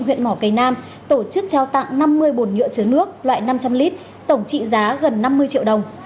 huyện mỏ cầy nam tổ chức trao tặng năm mươi bồn nhựa chứa nước loại năm trăm linh lít tổng trị giá gần năm mươi triệu đồng